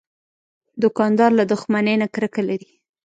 دوکاندار له دښمنۍ نه کرکه لري.